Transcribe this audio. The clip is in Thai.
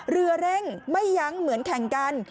เรือเร่งไม่ยั้งเหมือนแข่งกัน